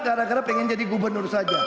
gara gara pengen jadi gubernur saja